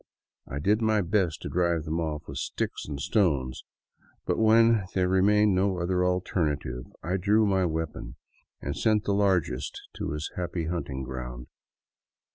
I did my best to drive them off with sticks and stones, but when there remained no other alternative I drew my weapon and sent the largest to his happy hunting grounds.